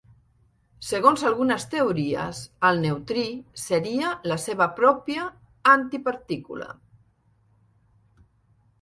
Segons algunes teories, el neutrí seria la seva pròpia antipartícula.